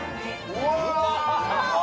うわ！